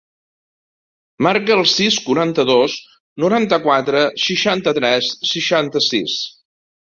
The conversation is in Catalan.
Marca el sis, quaranta-dos, noranta-quatre, seixanta-tres, seixanta-sis.